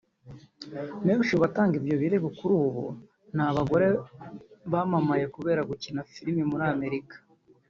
Benshi mu batanga ibyo birego kuri ubu ni abagore bamamaye kubera gukina filimi muri Amerika